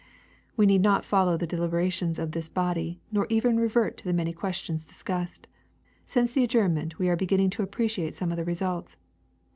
We need not follow the delibera tions of this body, nor even revert to the many questions dis cussed. Since the adjournment we are beginning to appreciate some of the results.